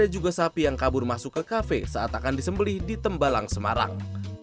ada juga sapi yang kabur masuk ke kafe saat akan disembeli di tembalang semarang